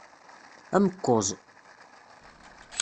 Amekkuẓ.